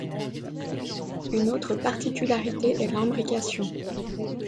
Une autre particularité est l'imbrication.